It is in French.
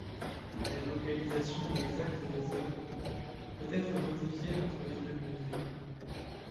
La localisation exacte des œuvres, peut être modifiée entre les deux musées.